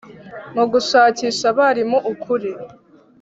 Mugushakisha abarimu ukuri